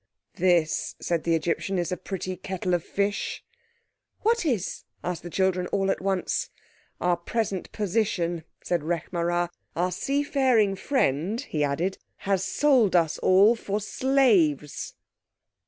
"This," said the Egyptian, "is a pretty kettle of fish." "What is?" asked all the children at once. "Our present position," said Rekh marā. "Our seafaring friend," he added, "has sold us all for slaves!"